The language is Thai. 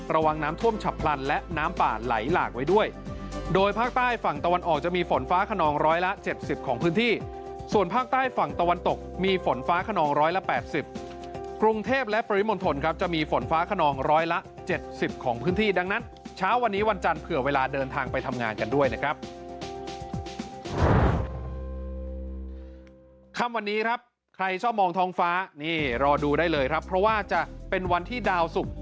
ฉับพลันและน้ำป่าไหลหลากไว้ด้วยโดยภาคใต้ฝั่งตะวันออกจะมีฝนฟ้าขนองร้อยละเจ็ดสิบของพื้นที่ส่วนภาคใต้ฝั่งตะวันตกมีฝนฟ้าขนองร้อยละแปดสิบกรุงเทพและปริมณฑลครับจะมีฝนฟ้าขนองร้อยละ๗๐ของพื้นที่ดังนั้นเช้าวันนี้วันจันทร์เผื่อเวลาเดินทางไปทำงานกันด้วยนะครับ